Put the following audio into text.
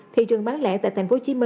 thị trường bản lệ tại tp hcm